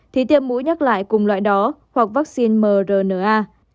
thì tiêm mũi nhắc lại cùng loại đó hoặc vắc xin mrna